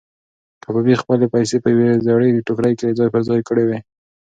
کبابي خپلې پیسې په یوې زړې ټوکرۍ کې ځای پر ځای کړې وې.